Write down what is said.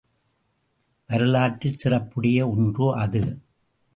வரலாற்றுச் சிறப்புடைய ஒன்று அது.